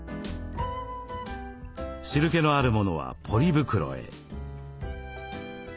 汁けのあるものはポリ袋へ。